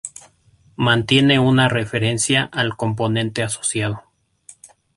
Mantiene una referencia al componente asociado.